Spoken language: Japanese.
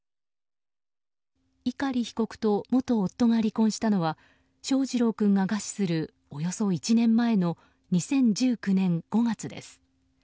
碇被告と元夫が離婚したのは翔士郎君が餓死するおよそ１年前の２０１９年５月です。